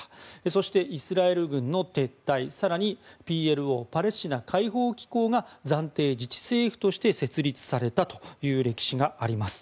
そして、イスラエル軍の撤退更にＰＬＯ・パレスチナ解放機構が暫定自治政府として設立されたという歴史があります。